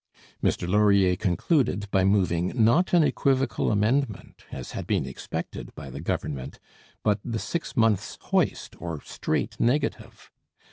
Mr Laurier concluded by moving, not an equivocal amendment, as had been expected by the Government, but the six months' hoist, or straight negative.